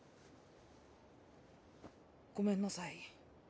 ごめんなさい。